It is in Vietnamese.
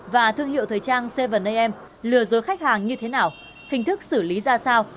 và thương hiệu thời trang cvn am lừa dối khách hàng như thế nào hình thức xử lý ra sao